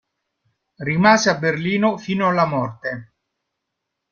Rimase a Berlino fino alla morte.